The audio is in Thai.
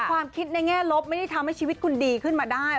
ความคิดในแง่ลบไม่ได้ทำให้ชีวิตคุณดีขึ้นมาได้